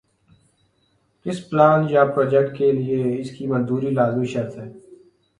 کسی پلان یا پراجیکٹ کے لئے اس کی منظوری لازمی شرط ہے۔